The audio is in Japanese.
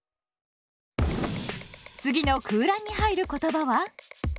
次の空欄に入る言葉は？